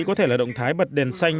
có thể là động thái bật đèn xanh